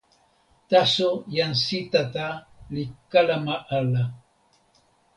taso jan Sitata li kalama ala.